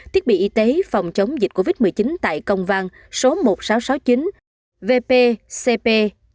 thiết bị y tế phòng chống dịch covid một mươi chín tại công văn số một nghìn sáu trăm sáu mươi chín vp cp năm mươi một